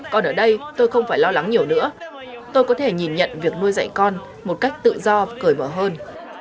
còn ở đây tôi không phải lo lắng nhiều nữa tôi có thể nhìn nhận việc nuôi dạy con một cách tự do cởi mở hơn